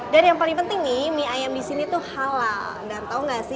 dan yang paling penting nih mie ayam di sini itu halal